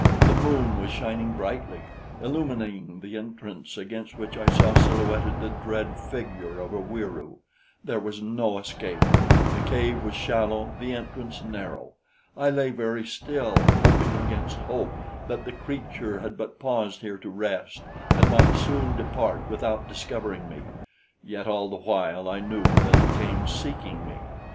The moon was shining brightly, illumining the entrance, against which I saw silhouetted the dread figure of a Wieroo. There was no escape. The cave was shallow, the entrance narrow. I lay very still, hoping against hope, that the creature had but paused here to rest and might soon depart without discovering me; yet all the while I knew that he came seeking me.